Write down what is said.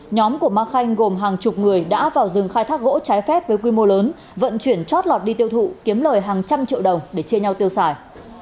nhóm của ma khanh gồm hàng chục người đã vào rừng khai thác gỗ trái phép với quy mô lớn vận chuyển chót lọt đi tiêu thụ kiếm lời hàng trăm triệu đồng để chia nhau tiêu xài